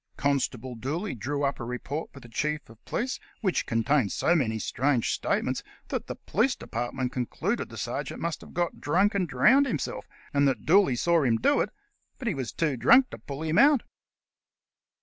Constable Dooley drew up a report for the Chief of Police which contained so many strange statements that the Police department concluded the sergeant must have got drunk and drowned himself, and that Dooley saw him do it, but was too drunk to pull him out.